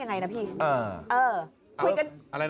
๓๘นิดหนึ่งหรือ๓๘นิดหนึ่ง